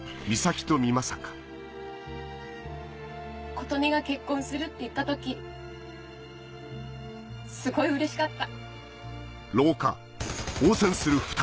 琴音が結婚するって言った時すごいうれしかった。